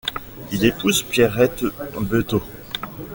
Il épouse Pierrette Betot.